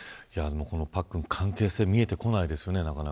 パックン、関係性が見えてこないですよね。